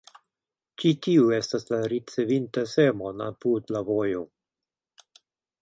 Ĉi tiu estas la ricevinta semon apud la vojo.